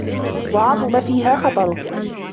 وَعَظُمَ فِيهَا خَطَرُهُ